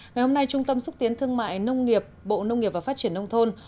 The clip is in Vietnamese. ngày hôm nay trung tâm xúc tiến thương mại nông nghiệp bộ nông nghiệp và phát triển nông thôn